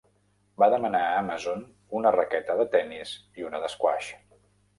Va demanar a Amazon una raqueta de tennis i una d'esquaix.